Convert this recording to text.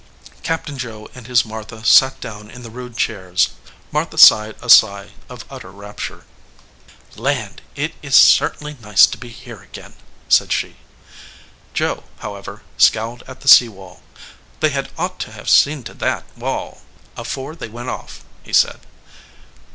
Captain Joe and his Martha sat down in the rude chairs. Martha sighed a sigh of utter rap ture. "Land ! it is certainly nice to be here again," said she. Joe, however, scowled at the sea wall. "They had ought to have seen to that wall afore they went off," he said.